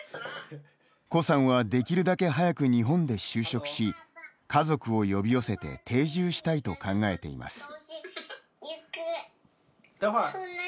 コさんは、できるだけ早く日本で就職し、家族を呼び寄せて定住したいと考えています。